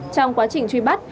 trong quá trình truy bắt